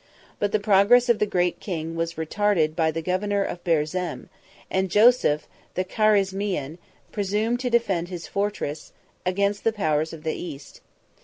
But the progress of the great king was retarded by the governor of Berzem; and Joseph the Carizmian presumed to defend his fortress against the powers of the East.